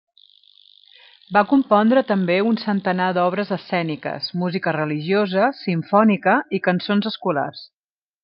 Va compondre també un centenar d'obres escèniques, música religiosa, simfònica i cançons escolars.